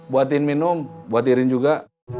buatin minum buatirin juga